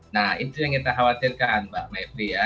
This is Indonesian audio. nah itu yang kita khawatirkan mbak mepri ya